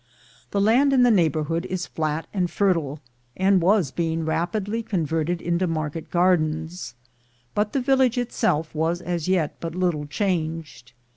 The land in the neighborhood is flat and fertile, and was being rapidly converted into market gardens; but the vil lage itself was as yet but little changed.